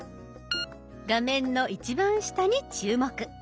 画面の一番下に注目。